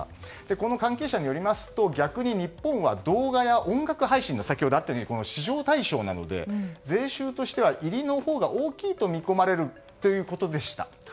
この関係者によりますと逆に日本は動画や音楽配信の市場対象なので税収としては入りのほうが大きいと見込まれるということでした。